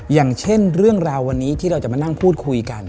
อย่างเช่นเรื่องราววันนี้ที่เราจะมานั่งพูดคุยกัน